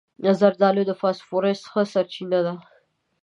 زردالو د فاسفورس ښه سرچینه ده.